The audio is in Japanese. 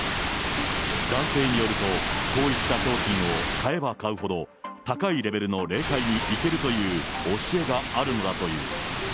男性によると、こういった商品を買えば買うほど、高いレベルの霊界に行けるという教えがあるのだという。